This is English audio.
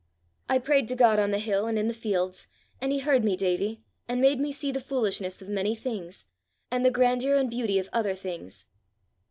I prayed to God on the hill and in the fields, and he heard me, Davie, and made me see the foolishness of many things, and the grandeur and beauty of other things.